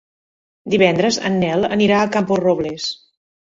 Divendres en Nel anirà a Camporrobles.